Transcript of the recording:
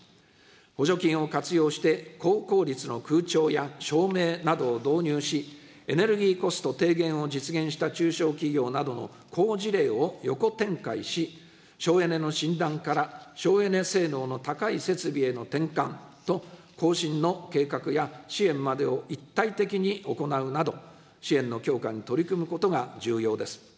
補助金を活用して、高効率の空調や照明などを導入し、エネルギーコスト低減を実現した中小企業などの好事例を横展開し、省エネの診断から省エネ性能の高い設備への転換と更新の計画や支援までを一体的に行うなど、支援の強化に取り組むことが重要です。